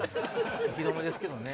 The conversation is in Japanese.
息止めですけどね。